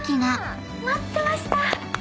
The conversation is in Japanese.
待ってました。